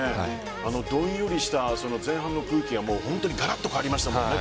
どんよりした前半の空気がガラッと変わりましたもんね